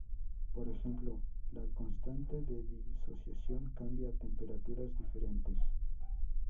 Por ejemplo, la constante de disociación cambia a temperaturas diferentes.